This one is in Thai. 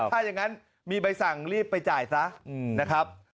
ถ้าอย่างนั้นมีใบสั่งรีบไปจ่ายซะนะครับ